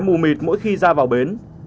mù mịt mỗi khi ra vào bến